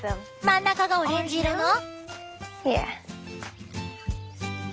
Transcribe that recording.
真ん中がオレンジ色の？